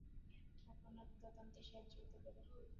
আপনার তদন্তে সাহায্য হতে পারে।